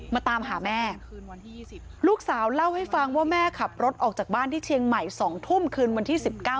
มาตามหาแม่ลูกสาวเล่าให้ฟังว่าแม่ขับรถออกจากบ้านที่เชียงใหม่๒ทุ่มคืนวันที่๑๙